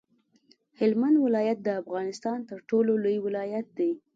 هلمند ولایت د افغانستان تر ټولو لوی ولایت دی.